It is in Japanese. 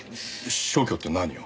消去って何を？